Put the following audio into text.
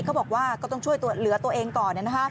ก็ต้องบอกว่าก็ต้องช่วยเหลือตัวเองก่อน